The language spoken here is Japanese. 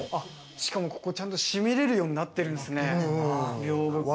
ここ、ちゃんと閉めれるようになってるんすね。